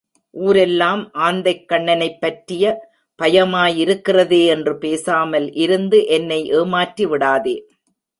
ஊரெல்லாம் ஆந்தைக்கண்ணனைப் பற்றிய பயமாயிருக்கிறதே என்று பேசாமல் இருந்து என்னை ஏமாற்றி விடாதே.